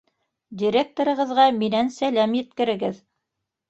— Директорығыҙға минән сәләм еткерегеҙ.